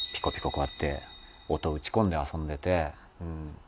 こうやって音打ち込んで遊んでて。